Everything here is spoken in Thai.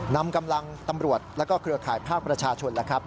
นำกำลังตำรวจแล้วก็เครือข่ายภาพประชาชน